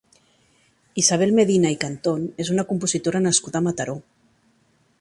Isabel Medina i Cantón és una compositora nascuda a Mataró.